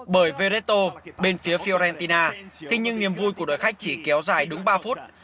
bởi verretto bên phía fiorentina nhưng niềm vui của đội khách chỉ kéo dài đúng ba phút